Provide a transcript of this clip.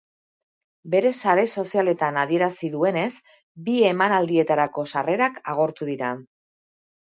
Bere sare sozialetan adierazi duenez, bi emanaldietarako sarrerak agortu dira.